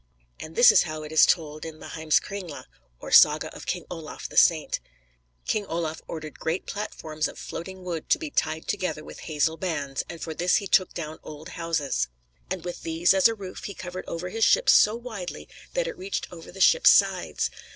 And this is how it is told in the "Heimskringla," or Saga of King Olaf the Saint: "King Olaf ordered great platforms of floating wood to be tied together with hazel bands, and for this he took down old houses; and with these, as a roof, he covered over his ships so widely that it reached over the ships' sides.